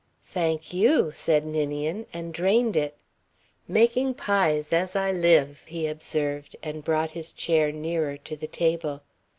"Thank you!" said Ninian, and drained it. "Making pies, as I live," he observed, and brought his chair nearer to the table.